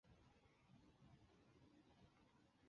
甘肃醉鱼草为玄参科醉鱼草属的植物。